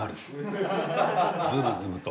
ズブズブと？